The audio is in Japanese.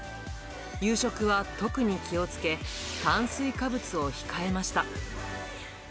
夕食は特に気をつけ、炭水化物を控えました。